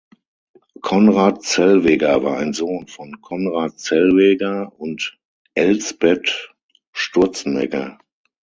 Conrad Zellweger war ein Sohn von Conrad Zellweger und Elsbeth Sturzenegger.